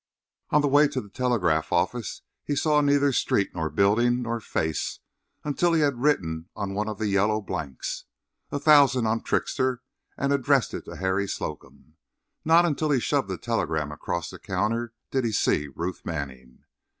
On the way to the telegraph office he saw neither street nor building nor face, until he had written on one of the yellow blanks, "A thousand on Trickster," and addressed it to Harry Slocum. Not until he shoved the telegram across the counter did he see Ruth Manning.